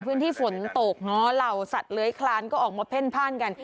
พื้นที่ฝนตกเนอะเหล่าสัตว์เลื้อยคลานก็ออกมาเพ่นพ่านกัน